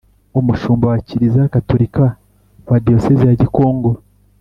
Umushumba wa Kiliziya Gatolika wa Diyosezi ya Gikongoro